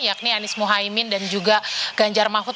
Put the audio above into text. yakni anies mohaimin dan juga ganjar mahfud